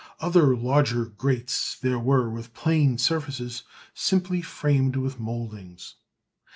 Other larger grates there were with plain surfaces simply framed with mouldings.